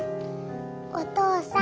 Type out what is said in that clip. お父さん。